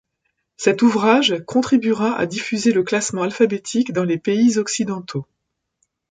Cet ouvrage contribuera à diffuser le classement alphabétique dans les pays occidentaux.